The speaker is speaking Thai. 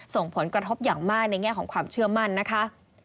ส่งผลกระทบอย่างมากในแง่ของความเชื่อมั่นนะคะ